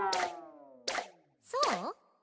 そう？